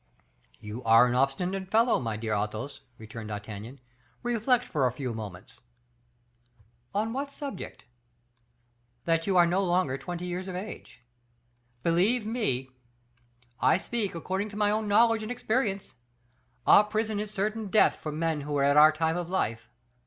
"You are an obstinate fellow, my dear Athos," returned D'Artagnan, "reflect for a few moments." "On what subject?" "That you are no longer twenty years of age. Believe me, I speak according to my own knowledge and experience. A prison is certain death for men who are at our time of life.